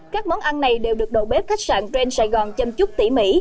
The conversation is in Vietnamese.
các món ăn này đều được độ bếp khách sạn trend saigon chăm chút tỉ mỉ